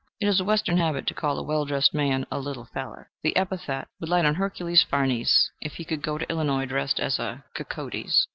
(It is a Western habit to call a well dressed man a "little feller." The epithet would light on Hercules Farnese if he should go to Illinois dressed as a CocodËs.)